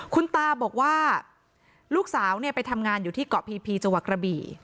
คุณตาบอกว่าลูกสาวไปทำงานอยู่ที่เกาะพีจังหวัดกระบี่